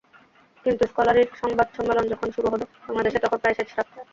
কিন্তু স্কলারির সংবাদ সম্মেলন যখন শুরু হবে, বাংলাদেশে তখন প্রায় শেষ রাত।